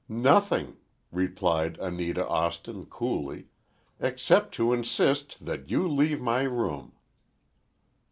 "Nothing," replied Anita Austin, coolly, "except to insist that you leave my room."